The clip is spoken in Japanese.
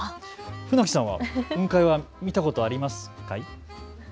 船木さんは雲海、見たことありますか。